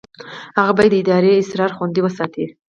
هغه باید د ادارې اسرار خوندي وساتي.